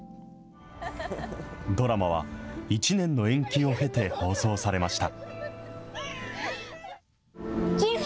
ドラマは１年の延期を経て放送されました。